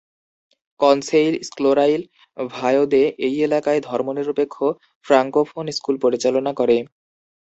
"কনসেইল স্কোলাইর ভায়োঁদে" এই এলাকায় ধর্মনিরপেক্ষ ফ্রাঙ্কোফোন স্কুল পরিচালনা করে।